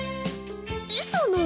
磯野。